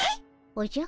おじゃ？